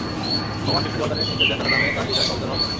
ভগবান বিষ্ণু দেবতাদের নির্দেশ দেন ধরাধামে তাঁর লীলার সহচর হওয়ার জন্য।